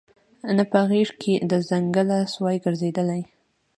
نه په غېږ کي د ځنګله سوای ګرځیدلای